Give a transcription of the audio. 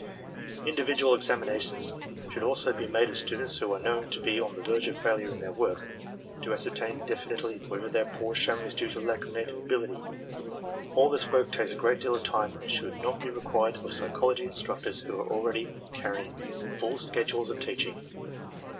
Individual examinations should also be made of students who are known to be on the verge of failure in their work, to ascertain definitely * whether their poor showing is due to lack of native ability. All this work takes a great deal of time and should not be required of psychology instnictors who already are carrying full schedules of teaching.